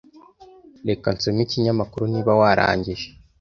Reka nsome ikinyamakuru niba warangije.